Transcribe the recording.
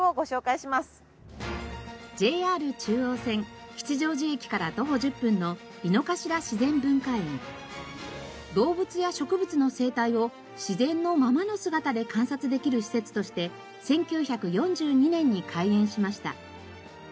ＪＲ中央線吉祥寺駅から徒歩１０分の動物や植物の生態を自然のままの姿で観察できる施設として１９４２年に開園しました。